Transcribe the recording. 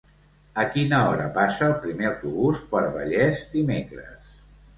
A quina hora passa el primer autobús per Vallés dimecres?